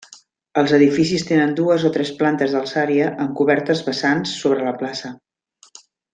Els edificis tenen dues o tres plantes d'alçària amb cobertes vessants sobre la plaça.